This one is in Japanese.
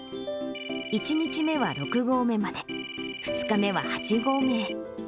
１日目は６合目まで、２日目は８合目へ。